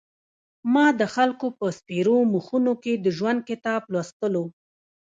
ما د خلکو په سپېرو مخونو کې د ژوند کتاب لوستلو.